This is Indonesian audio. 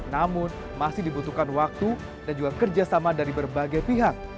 namun masih dibutuhkan waktu dan juga kerjasama dari berbagai pihak